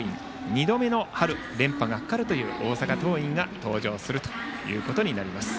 ２度目の春連覇がかかるという大阪桐蔭が登場することになります。